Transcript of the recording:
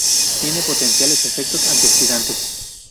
Tiene potenciales efectos antioxidantes.